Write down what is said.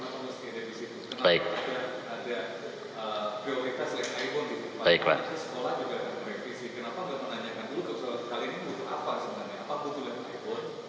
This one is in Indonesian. saya juga merevisi kenapa saya menanyakan dulu soal hal ini butuh apa sebenarnya